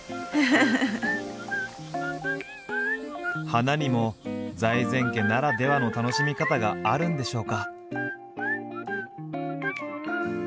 花にも財前家ならではの楽しみ方があるんでしょうか？